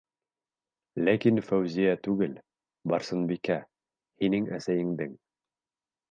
Ләкин Фәүзиә түгел, Барсынбикә. һинең әсәйеңдең...